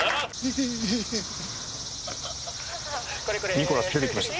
ニコラス出てきました。